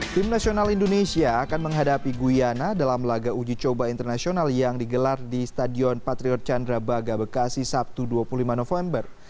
tim nasional indonesia akan menghadapi guyana dalam laga uji coba internasional yang digelar di stadion patriot candrabaga bekasi sabtu dua puluh lima november